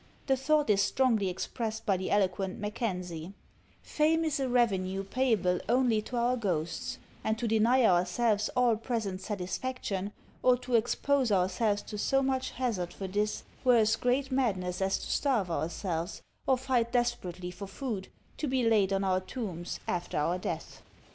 The thought is strongly expressed by the eloquent Mackenzie: "Fame is a revenue payable only to our ghosts; and to deny ourselves all present satisfaction, or to expose ourselves to so much hazard for this, were as great madness as to starve ourselves, or fight desperately for food, to be laid on our tombs after our death."